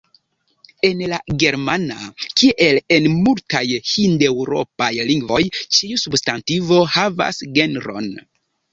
En la germana, kiel en multaj hindeŭropaj lingvoj, ĉiu substantivo havas genron.